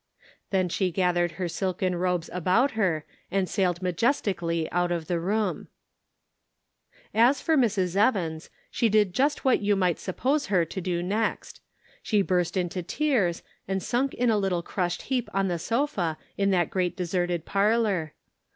Then she gathered her silken robes about her and sailed majestically out of the room. As for Mrs. Evans, she did just what you might suppose her to do next. She burst into tears and sunk in a little crushed heap on the sofa in that great deserted parlor.